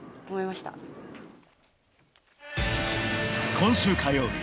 今週火曜日